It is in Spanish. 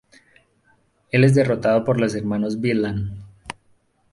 Él es derrotado por los hermanos Bedlam.